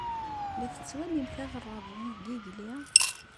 La tettwalimt aɣerrabu deg yigli?